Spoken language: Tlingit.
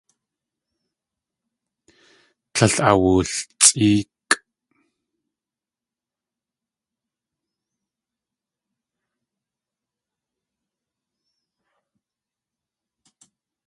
Tlél awultsʼéekʼ.